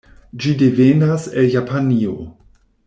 Ĝi devenas el Japanio.